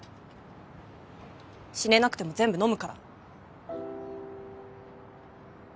死ねなくても全部飲むから。